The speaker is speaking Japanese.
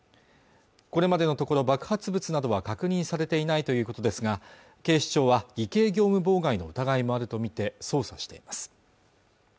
これまでのところ爆発物などは確認されていないということですが警視庁は偽計業務妨害の疑いもあるとみて捜査しています